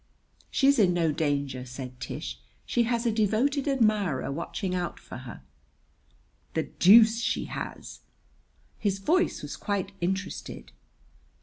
"She's in no danger," said Tish. "She has a devoted admirer watching out for her." "The deuce she has!" His voice was quite interested.